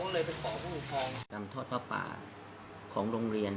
แล้วเราก็เลยไปขอผู้ของจำทอดภาพป่าของโรงเรียน